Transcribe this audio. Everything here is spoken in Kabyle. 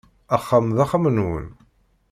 Axxam d axxam-nwen.